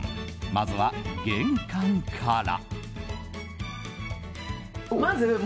まずは玄関から。